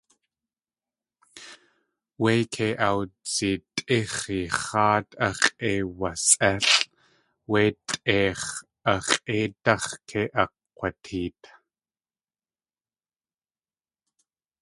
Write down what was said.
Wé kei awdzitʼix̲i x̲áat ax̲ʼeiwasʼélʼ wé tʼeix̲ a x̲ʼéidáx̲ kei akg̲ateet.